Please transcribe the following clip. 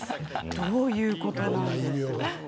どういうことなんでしょう？